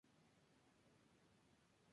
Y será su albacea y consejero.